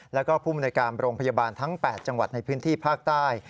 แล้วก็ภูมิในการโรงพยาบาลทั้ง๘จังหวัดในพื้นที่ภาคใต้